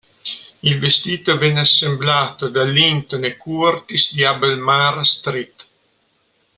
Il vestito venne assemblato da Linton e Curtis di Albemarle Street.